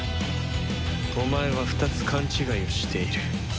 お前は２つ勘違いをしている。